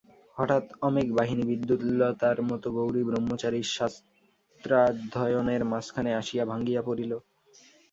হঠাৎ অমেঘবাহিনী বিদ্যুল্লতার মতো গৌরী ব্রহ্মচারীর শাস্ত্রাধ্যয়নের মাঝখানে আসিয়া ভাঙিয়া পড়িল।